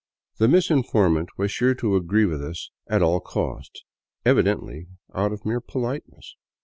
The misinformant was sure to agree with us at all costs, evidently out of mere politeness.